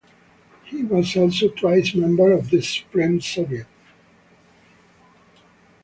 He was also twice member of the Supreme Soviet.